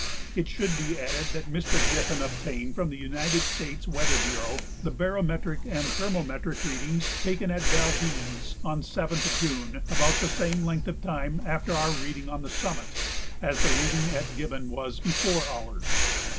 It should be added that Mr. Giffin obtained from the United States Weather Bureau the barometric and thermometric readings taken at Valdez on 7th June about the same length of time after our reading on the summit as the reading at Gibbon was before ours.